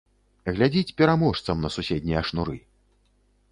Глядзіць пераможцам на суседнія шнуры.